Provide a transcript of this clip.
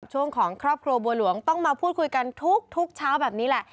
ช่วงของครอบครัวบัวหลวงต้องมาพูดคุยกันทุกเช้าแบบนี้แหละ